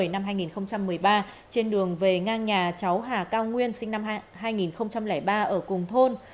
năm hai nghìn một mươi ba trên đường về ngang nhà cháu hà cao nguyên sinh năm hai nghìn ba ở cùng thôn